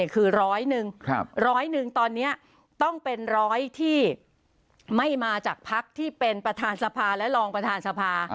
คือร้อยหนึ่งร้อยหนึ่งตอนนี้ต้องเป็นร้อยที่ไม่มาจากภักดิ์ที่เป็นประธานสภาและรองประธานสภา